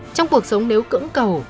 trong cuộc sống nếu cưỡng cầu